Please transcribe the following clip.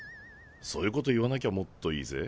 そういうこと言わなきゃもっといいぜ。